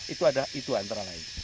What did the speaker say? itu ada itu antara lain